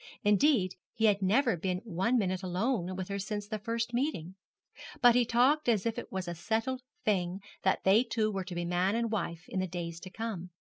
Indeed, he had never been one minute alone with her since their first meeting; but he talked as if it was a settled thing that they two were to be man and wife in the days to come.